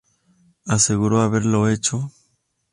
Aseguró haberlo hecho.